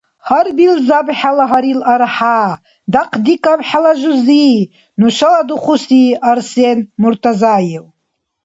Гьарбилзаб хӀела гьарил архӀя, дахъдикӀаб хӀела жузи, нушала духуси Арсен Муртазаев!